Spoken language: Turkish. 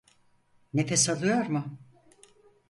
Nefes alıyor mu?